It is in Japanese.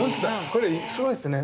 これすごいっすね。